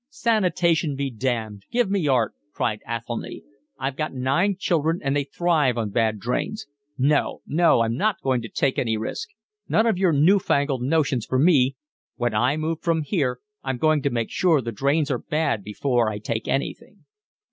"Sanitation be damned, give me art," cried Athelny. "I've got nine children and they thrive on bad drains. No, no, I'm not going to take any risk. None of your new fangled notions for me! When I move from here I'm going to make sure the drains are bad before I take anything."